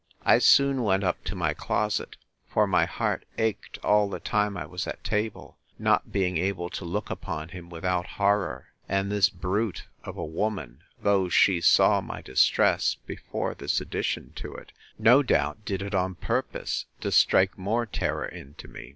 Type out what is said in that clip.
I soon went up to my closet; for my heart ached all the time I was at table, not being able to look upon him without horror; and this brute of a woman, though she saw my distress, before this addition to it, no doubt did it on purpose to strike more terror into me.